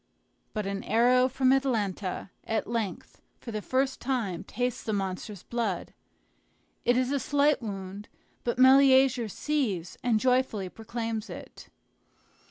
But an arrow from Atalanta at length for the first time tastes the monster's blood. It is a slight wound, but Meleager sees and joyfully proclaims it.